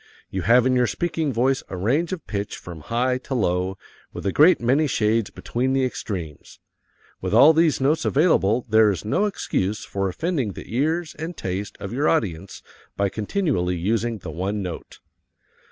You have in your speaking voice a range of pitch from high to low, with a great many shades between the extremes. With all these notes available there is no excuse for offending the ears and taste of your audience by continually using the one note.